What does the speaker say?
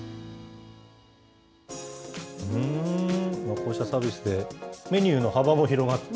こうしたサービスで、メニューの幅も広がって。